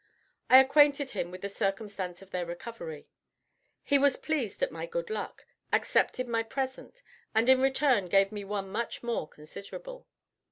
I acquainted him with the circumstance of their recovery. He was pleased at my good luck, accepted my present, and in return gave me one much more considerable.